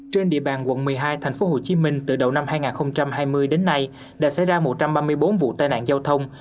trên địa bàn quận một mươi hai tp hcm từ đầu năm hai nghìn hai mươi đến nay đã xảy ra một trăm ba mươi bốn vụ tai nạn giao thông